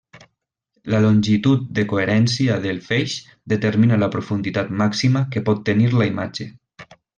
La longitud de coherència del feix determina la profunditat màxima que pot tenir la imatge.